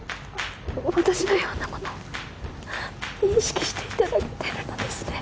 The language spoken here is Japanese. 私のような者を認識していただけてるのですね